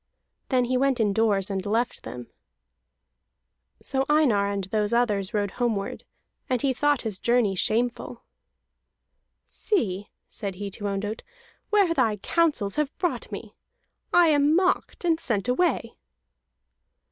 Then he went indoors and left them. So Einar and those others rode homeward, and he thought his journey shameful. "See," said he to Ondott, "where thy counsels have brought me. I am mocked and sent away."